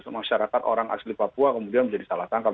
masyarakat orang asli papua kemudian menjadi salah tangkap